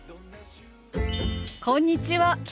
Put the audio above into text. こんにちは。